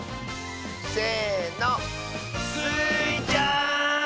せの！スイちゃん！